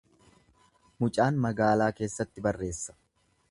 Mucaan magaalaa keessatti barreessa.